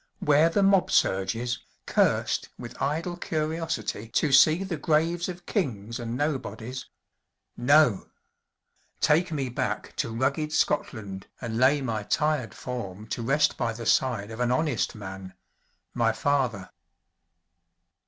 where the mob surges, cursed with idle curiosity to see the graves of kings and nobodies? No! Take me back to rugged Scotland and lay my tired form to rest by the side of an honest man my father.'